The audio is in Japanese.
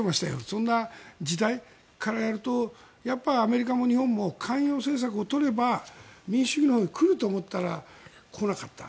そんな時代からやるとアメリカも日本も寛容政策を取れば民主主義が来ると思ったら来なかった。